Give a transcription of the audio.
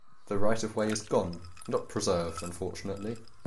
The right-of-way is gone - not preserved, unfortunately.